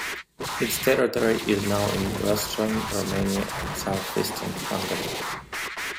Its territory is now in western Romania and southeastern Hungary.